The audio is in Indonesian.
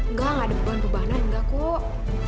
nggak nggak ada beban bebanan enggak kok